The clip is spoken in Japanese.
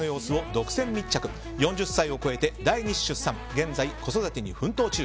更に４０歳を超えて第２子出産現在子育てに奮闘中。